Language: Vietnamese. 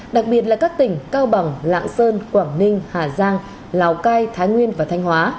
đặc biệt là các tỉnh cao bằng lạng sơn quảng ninh hà giang lào cai thái nguyên và thanh hóa